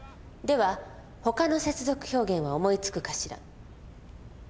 ほかの接続表現は思いつくかしら。